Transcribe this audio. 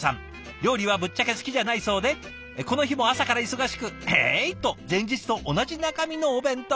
料理はぶっちゃけ好きじゃないそうでこの日も朝から忙しく「ええい！」と前日と同じ中身のお弁当に。